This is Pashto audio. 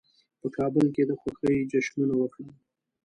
په کابل کې د خوښۍ جشنونه وکړل.